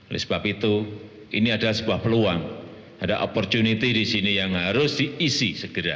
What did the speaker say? oleh sebab itu ini adalah sebuah peluang ada opportunity di sini yang harus diisi segera